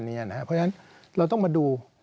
เพราะฉะนั้นเราต้องมาดู